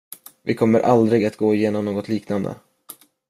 Vi kommer aldrig att gå igenom något liknande.